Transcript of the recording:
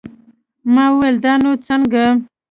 ما وويل دا نو څنگه.